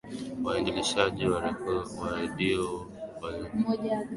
waendeshaji wa redio walifanya uzembe mkubwa